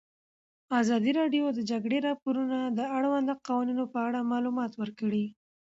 ازادي راډیو د د جګړې راپورونه د اړونده قوانینو په اړه معلومات ورکړي.